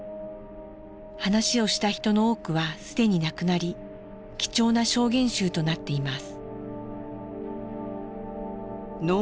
話を残した人の多くは既に亡くなり貴重な証言集となっています。